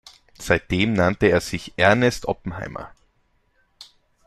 Seitdem nannte er sich Ernest Oppenheimer.